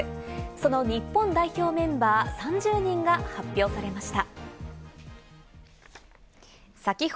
その日本代表メンバー３０人が発表されました。